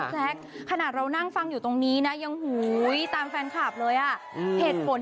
แบบนี้อะเรานั่งฟังตรงนี้เวลานั้นที่หรือเป็นไปทางก็เป็นเวลาที่มาเจอกันเลยเลย